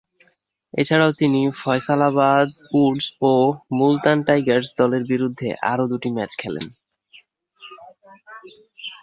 এছাড়াও তিনি "ফয়সালাবাদ উডস" ও "মুলতান টাইগার্স" দলের বিরুদ্ধে আরও দুটি ম্যাচ খেলেন।